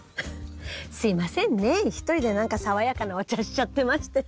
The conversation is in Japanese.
すいませんね１人で何かさわやかなお茶しちゃってまして。